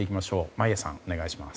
眞家さん、お願いします。